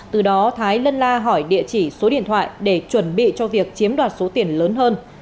từ đó thái lân la hỏi địa chỉ số điện thoại để chuẩn bị cho việc chiếm đoạt số tiền lớn hơn